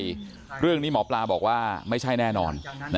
เรื่องนี้หมอปลาบอกว่าไม่ใช่แน่นอน